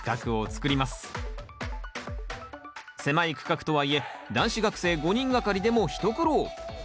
狭い区画とはいえ男子学生５人がかりでも一苦労。